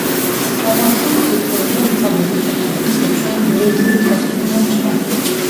په افغانستان کې د کورنیو مخابراتي شرکتونو ترڅنګ درې نورې سرچینې هم شته،